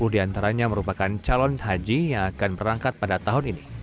sepuluh diantaranya merupakan calon haji yang akan berangkat pada tahun ini